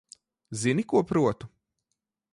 Zini, ko protu?